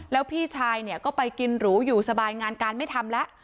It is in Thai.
แล้วพี่ชายเนี่ยก็ไปกินหรูอยู่สบายงานการไม่ทำแล้ว